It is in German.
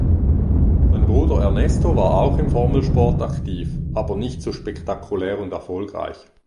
Sein Bruder Ernesto war auch im Formelsport aktiv, aber nicht so spektakulär und erfolgreich.